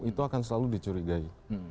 itu akan selalu dicurigai